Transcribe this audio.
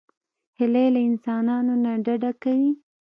هیلۍ له انسانانو نه ډډه کوي